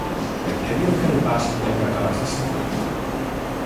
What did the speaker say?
Per què dieu que el basc i el català s’assemblen?